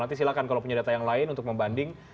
nanti silahkan kalau punya data yang lain untuk membanding